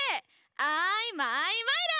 アイマイマイラ！